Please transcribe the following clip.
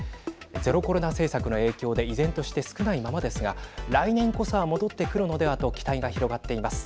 ゼロコロナ政策の影響で依然として少ないままですが来年こそは戻ってくるのではと期待が広がっています。